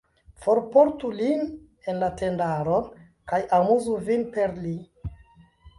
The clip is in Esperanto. Forportu lin en la tendaron, kaj amuzu vin per li.